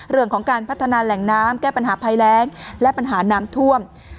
เรื่องของการพัฒนาแหล่งน้ำแก้ปัญหาภัยแรงและปัญหาน้ำท่วม